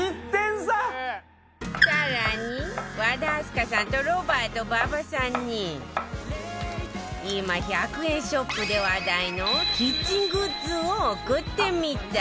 更に和田明日香さんとロバート馬場さんに今１００円ショップで話題のキッチングッズを送ってみた